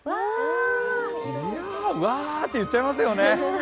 わーっ！って言っちゃいますよね。